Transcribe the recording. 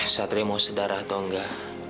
satria mau sedara atau enggak